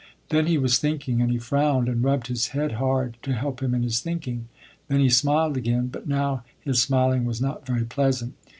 Then he was thinking, and he frowned and rubbed his head hard, to help him in his thinking. Then he smiled again, but now his smiling was not very pleasant.